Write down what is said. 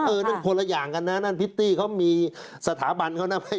เออนั่นคนละอย่างกันน่ะพิธีเขามีสถาบันเขาน่ะ